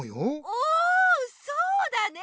おそうだね！